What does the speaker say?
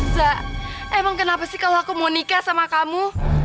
za emang kenapa sih kalau aku mau nikah sama kamu